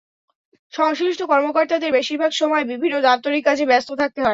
সংশ্লিষ্ট কর্মকর্তাদের বেশির ভাগ সময়ে বিভিন্ন দাপ্তরিক কাজে ব্যস্ত থাকতে হয়।